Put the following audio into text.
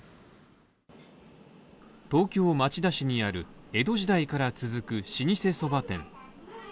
東京町田市にある江戸時代から続く老舗そば店。